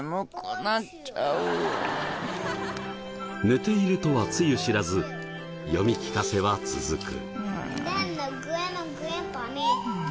寝ているとはつゆ知らず読み聞かせは続く。